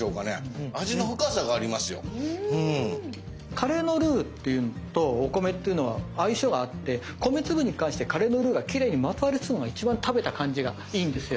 カレーのルーっていうとお米っていうのは相性があって米粒に関してカレーのルーがきれいにまとわりつくのが一番食べた感じがいいんですよ。